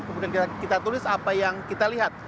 kemudian kita tulis apa yang kita lihat